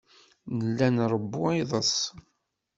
Nella nṛewwu iḍes.